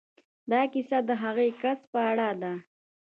دا کيسه د هغه کس په اړه ده.